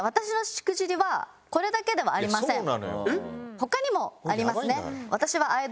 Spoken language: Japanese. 他にもありますね。